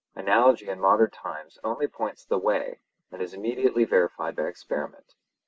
Analogy in modern times only points the way, and is immediately verified by experiment.